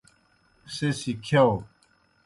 سہ سی کِھیاؤ۔